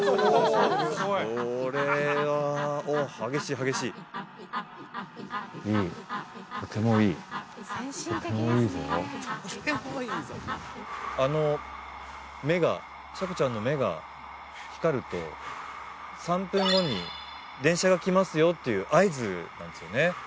これはおお激しい激しいあの目がシャコちゃんの目が光ると３分後に電車が来ますよっていう合図なんですよね